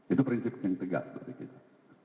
itu prinsip yang tegas bagi kita